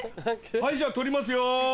はいじゃあ撮りますよ。